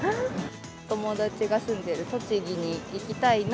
友達が住んでる栃木に行きたいな。